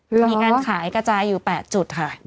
มีการขายกระจายอยู่๘จุดค่ะ